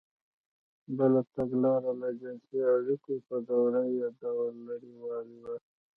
بله تګلاره له جنسـي اړیکو په دورهیي ډول لرېوالی و.